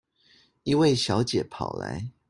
一位小姐跑來